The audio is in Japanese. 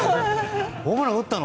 ホームラン打ったの？